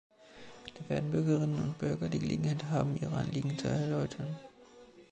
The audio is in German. Da werden Bürgerinnen und Bürger die Gelegenheit haben, ihre Anliegen zu erläutern.